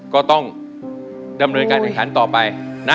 ก็ต้องดำเนินการเอกทันต่อไป